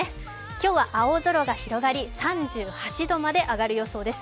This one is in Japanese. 今日は青空が広がり、３８度まで上がる予想です。